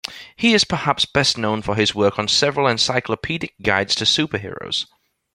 He is perhaps best known for his work on several encyclopedic guides to superheroes.